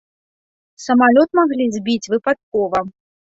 Самалёт маглі збіць выпадкова.